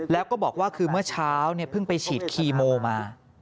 แล้วก็บอกว่าคือเมื่อเช้าเพิ่งไปฉีดคีโมมา